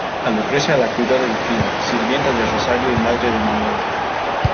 A Lucrecia la cuidó Delfina, sirvienta de Rosario y madre de Manuel.